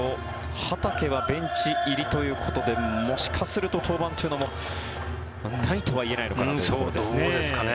畠がベンチ入りということでもしかすると、登板というのもないとは言えないのかなというところですかね。